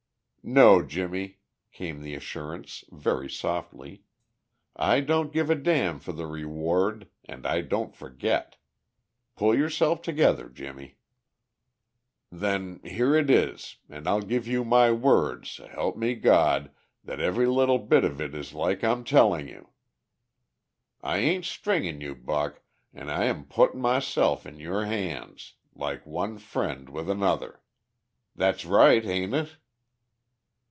"No, Jimmie," came the assurance very softly. "I don't give a damn for the reward and I don't forget. Pull yourself together, Jimmie." "Then here it is, an' I'll give you my word, s'elp me Gawd, that every little bit of it is like I'm tellin' you. I ain't stringin' you, Buck, an' I am puttin' myself in your hands, like one friend with another. That's right, ain't it?"